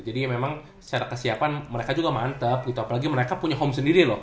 jadi memang secara kesiapan mereka juga mantep gitu apalagi mereka punya home sendiri loh